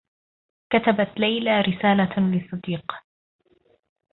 كتبت ليلى رسالة لصديق.